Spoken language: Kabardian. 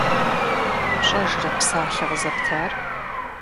ПщӀэжрэ псалъэ къызэптар?